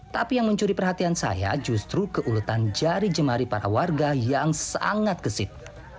tapi yang mencuri perhatian saya justru keuletan jari jemari para warga yang sangat gesit